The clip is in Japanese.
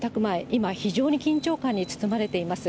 今、非常に緊張感に包まれています。